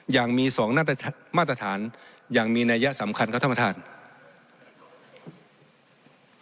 อย่างมีสองมาตรฐานอย่างมีนัยสำคัญของธรรมธาตุ